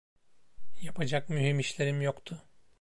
Yapacak mühim işlerim yoktu.